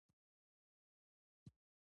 د پښتنو کلتور به تل ځلیږي.